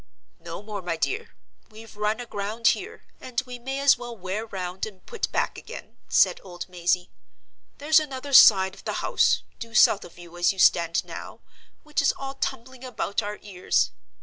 "No more, my dear—we've run aground here, and we may as well wear round and put back again," said old Mazey. "There's another side of the house—due south of you as you stand now—which is all tumbling about our ears.